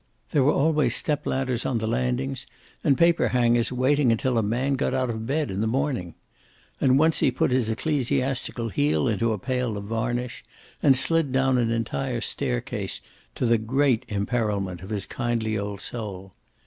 There were always stepladders on the landings, and paper hangers waiting until a man got out of bed in the morning. And once he put his ecclesiastical heel in a pail of varnish, and slid down an entire staircase, to the great imperilment of his kindly old soul.